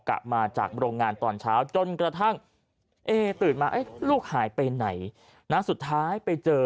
กลับมาจากโรงงานตอนเช้าจนกระทั่งเอตื่นมาลูกหายไปไหนนะสุดท้ายไปเจอ